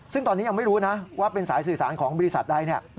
ซึ่งตอนนี้ยังไม่รู้นะว่าเป็นสายสื่อสารของบริษัทใด